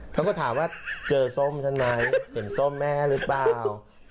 เขาก็ถามว่าเจอส้มฉันไหมเห็นส้มแม่หรือเปล่า